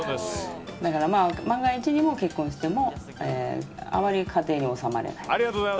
だから、万が一にも結婚してもあまり家庭には収まれない。